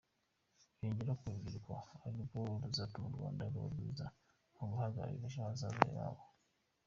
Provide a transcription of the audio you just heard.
Yongeraho ko urubyiruko ariwo ruzatuma u Rwanda ruba rwiza mu guharanira ejo hazaza habo.